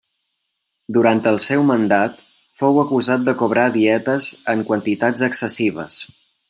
Durant el seu mandat fou acusat de cobrar dietes en quantitats excessives.